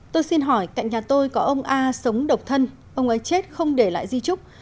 tôi xin hỏi cạnh nhà tôi có ông a sống độc thân ông ấy chết không để lại di trúc